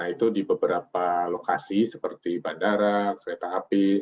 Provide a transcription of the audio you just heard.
itu di beberapa lokasi seperti bandara kereta api